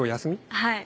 はい。